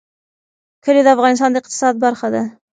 کلي د افغانستان د اقتصاد برخه ده.